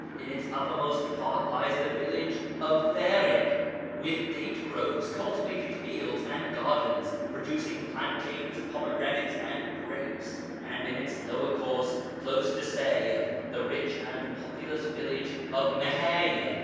In its uppermost part lies the village of Faric with date groves, cultivated fields and gardens, producing plantains, pomegranates, and grapes, and in its lower [p.405] course, close to Saya, the rich and populous village Mahaya.